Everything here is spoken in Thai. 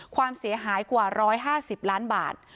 ความเสียหายกว่า๑๕๐ล้านบาท